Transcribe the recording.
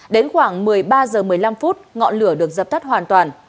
đến khoảng một mươi ba h một mươi năm ngọn lửa được dập tắt hoàn toàn